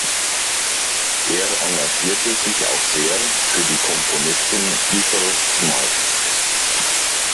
Er engagierte sich auch sehr für die Komponistin Ethel Smyth.